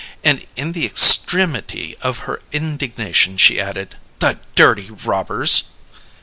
And in the extremity of her indignation, she added: "The dirty robbers!"